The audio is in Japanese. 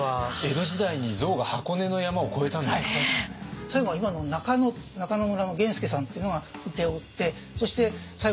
最後は今の中野中野村の源助さんっていうのが請け負ってそして最後